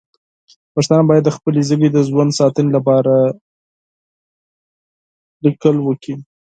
پښتانه باید د خپلې ژبې د ژوند ساتنې لپاره نوښت وکړي.